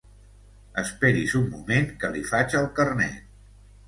Esperi's un moment que li faig el carnet.